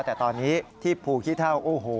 แต่ตอนนี้ที่ภูขี้เท่าโอ้โห